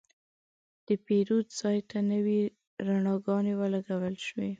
د پیرود ځای ته نوې رڼاګانې ولګول شوې.